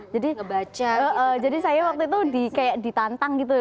jadi saya waktu itu ditantang gitu